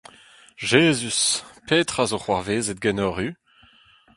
Jezuz ! petra ’zo c’hoarvezet ganeoc’h-hu ?